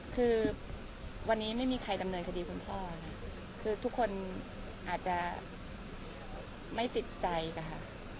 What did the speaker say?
คือวันนี้ไม่มีใครดำเนินคดีคุณพ่อค่ะคือทุกคนอาจจะไม่ติดใจค่ะ